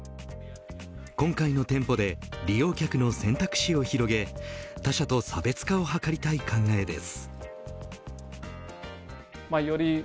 今回の店舗で利用客の選択肢を広げ他社と差別化を図りたい考えです。